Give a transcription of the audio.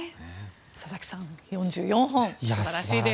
佐々木さん４４本、素晴らしいです。